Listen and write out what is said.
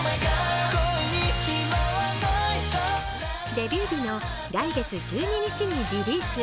デビュー日の来月１２日にリリース。